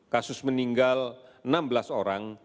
kasus meninggal enam belas orang